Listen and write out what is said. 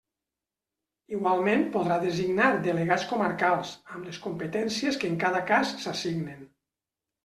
Igualment podrà designar delegats comarcals, amb les competències que en cada cas s'assignen.